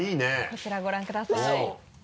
こちらご覧ください。